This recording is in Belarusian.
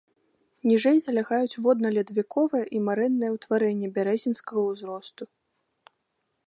Ніжэй залягаюць водна-ледавіковыя і марэнныя ўтварэнні бярэзінскага ўзросту.